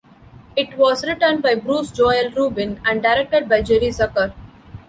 It was written by Bruce Joel Rubin and directed by Jerry Zucker.